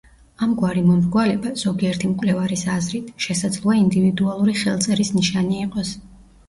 ამგვარი მომრგვალება, ზოგიერთი მკვლევარის აზრით, შესაძლოა ინდივიდუალური ხელწერის ნიშანი იყოს.